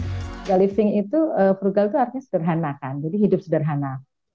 frugal living itu frugal itu artinya sederhana kan jadi hidup sederhana